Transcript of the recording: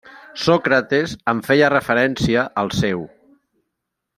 Sòcrates en feia referència al seu.